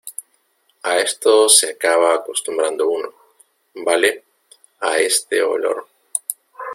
a esto se acaba acostumbrando uno, ¿ vale? a este olor.